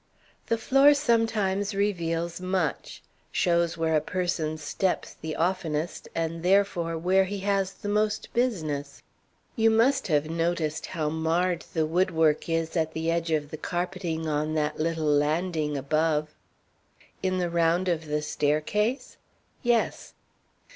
"The floor sometimes reveals much: shows where a person steps the oftenest, and, therefore, where he has the most business. You must have noticed how marred the woodwork is at the edge of the carpeting on that little landing above." "In the round of the staircase?" "Yes."